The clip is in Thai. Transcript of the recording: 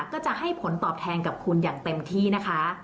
ก็จะให้ผลตอบแทนกับคุณอย่างเต็มที่นะคะ